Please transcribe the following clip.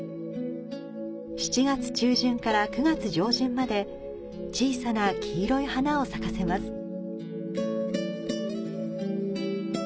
７月中旬から９月上旬まで小さな黄色い花を咲かせます。